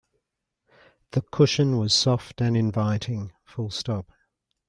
The cushion was soft and inviting.